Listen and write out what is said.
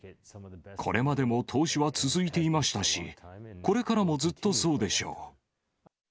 これまでも投資は続いていましたし、これからもずっとそうでしょう。